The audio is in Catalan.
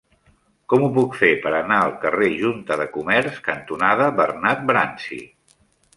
Com ho puc fer per anar al carrer Junta de Comerç cantonada Bernat Bransi?